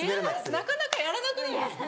なかなかやらなくないですか？